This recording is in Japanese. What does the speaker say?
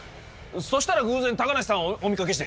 そしたら偶然高梨さんをお見かけして。